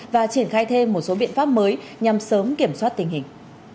và triển khai thêm một số biện pháp mới nhằm sớm kiểm soát tình hình